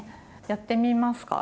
やってみますか？